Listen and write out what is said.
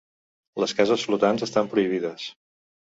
Les cases flotants estan prohibides.